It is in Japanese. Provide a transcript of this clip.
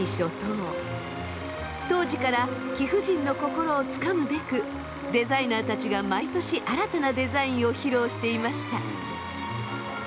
当時から貴婦人の心をつかむべくデザイナーたちが毎年新たなデザインを披露していました。